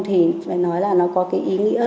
thì phải nói là nó có ý nghĩa